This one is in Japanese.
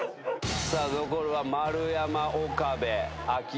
残るは丸山岡部秋山。